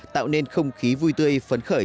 tạo nên không khí vui tươi phấn khởi